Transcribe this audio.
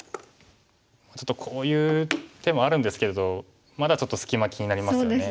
ちょっとこういう手もあるんですけれどまだちょっと隙間気になりますよね。